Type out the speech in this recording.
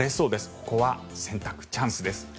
ここは洗濯チャンスです。